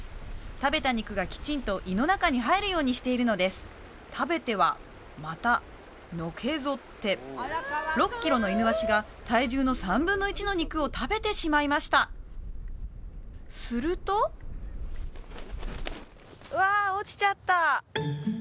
食べた肉がきちんと胃の中に入るようにしているのです食べてはまたのけぞって６キロのイヌワシが体重の３分の１の肉を食べてしまいましたするとわ落ちちゃった